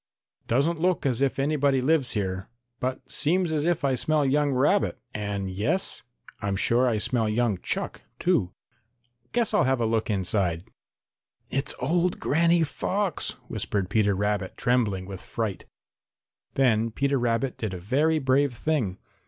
"Doesn't look as if anybody lives here, but seems as if I smell young rabbit and yes, I'm sure I smell young chuck, too. Guess I'll have a look inside." "It's old Granny Fox," whispered Peter Rabbit, trembling with fright. Then Peter Rabbit did a very brave thing.